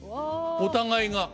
お互いが。